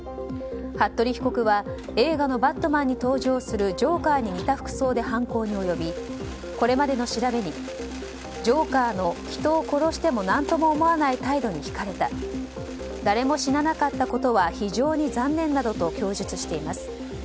服部被告は映画の「バットマン」に登場するジョーカーに似た服装で犯行に及び、これまでの調べにジョーカーの人を殺しても何とも思わない態度に引かれた誰も死ななかったことは非常に残念などと供述しています。